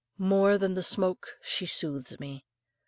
More than the smoke she soothes me.